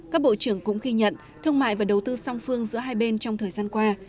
các bộ trưởng cũng ghi nhận thương mại và đầu tư song phương giữa hai bên trong thời gian qua